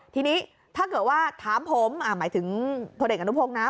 ทีนี้ถ้าเกิดว่าถามผมหมายถึงพลเอกอนุพงศ์นะ